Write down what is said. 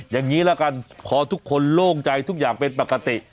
อย่างนี้ละกันพอทุกคนโล่งใจทุกอย่างเป็นปกติ